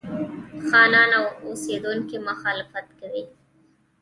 خانان او اوسېدونکي مخالفت کوي.